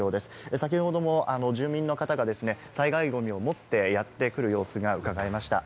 先ほども住民の方が災害ゴミを持って、やってくる様子がうかがえました。